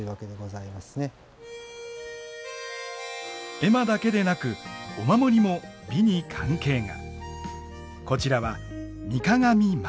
絵馬だけでなくお守りも美に関係が。